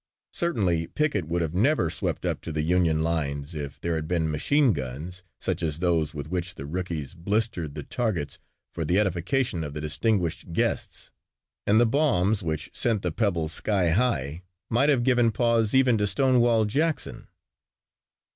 Certainly Pickett would have never swept up to the Union lines if there had been machine guns such as those with which the rookies blistered the targets for the edification of the distinguished guests and the bombs which sent the pebbles sky high might have given pause even to Stonewall Jackson.